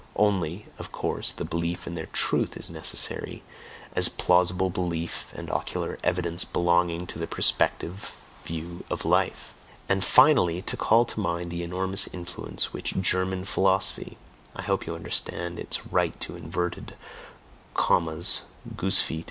Only, of course, the belief in their truth is necessary, as plausible belief and ocular evidence belonging to the perspective view of life. And finally, to call to mind the enormous influence which "German philosophy" I hope you understand its right to inverted commas (goosefeet)?